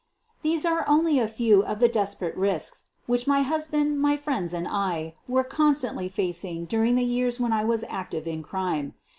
These are only a few of the desperate risks which my husband, my friends, and I were constantly fac ing during the years when I was active in crime.